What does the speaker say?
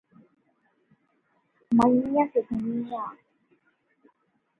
To read the Bible through in one year, read three chapters each week day.